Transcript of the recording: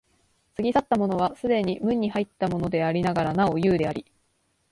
過ぎ去ったものは既に無に入ったものでありながらなお有であり、